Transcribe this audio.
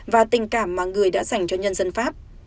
và tình cảm mà người đã dành cho nhân dân pháp